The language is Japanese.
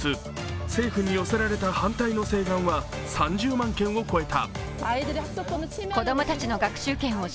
政府に寄せられた反対の請願は３０万件を超えた。